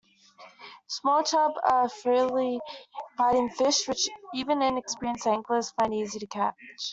Small chub are freely biting fish which even inexperienced anglers find easy to catch.